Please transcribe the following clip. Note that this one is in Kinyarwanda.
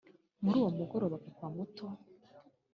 mur’uwo mugoroba papa muto(mudogo)